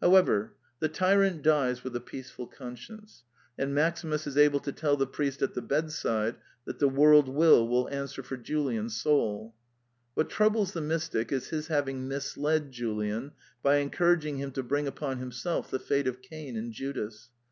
However, the tyrant dies with a peaceful con science; and Maximus is able to tell the priest at the bedside that the world will will answer for Julian's soul. What troubles the mystic is his having misled Julian by encouraging him to bring upon himself the fate of Cain and Judas.